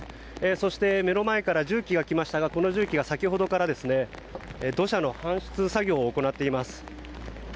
そして目の前から重機が来ましたがこの重機が先ほどから土砂の搬出作業を行っています。